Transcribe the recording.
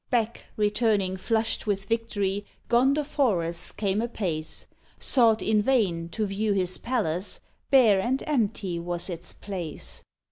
Back, returning flushed with victory, Gondoforus came apace; Sought, in vain, to view his palace Bare and empty was its place!